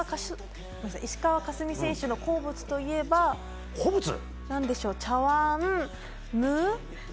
石川佳純選手の好物といえば茶碗む。